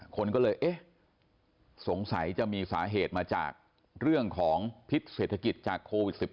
คนก็เลยเอ๊ะสงสัยจะมีสาเหตุมาจากเรื่องของพิษเศรษฐกิจจากโควิด๑๙